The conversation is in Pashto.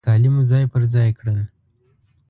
کالي مو ځای پر ځای کړل.